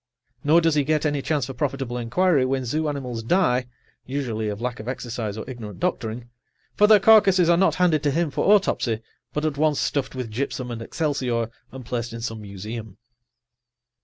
Nor does he get any chance for profitable inquiry when zoo animals die (usually of lack of exercise or ignorant doctoring), for their carcasses are not handed to him for autopsy, but at once stuffed with gypsum and excelsior and placed in some museum.